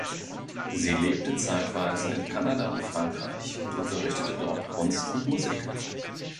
Sie lebte zeitweise in Kanada und Frankreich und unterrichtete dort Kunst und Musik.